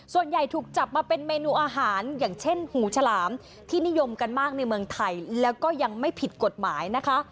ส่วนใหญ่ถูกจับมาเป็นเมนูอาหารอย่างเช่นหูฉลามที่นิยมกันมากในเมืองไทยแล้วก็ยังไม่ผิดกฎหมายนะคะ